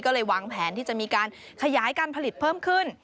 ก็เลยวางแผนที่จะมีการขยายการผลิตเพิ่มขึ้น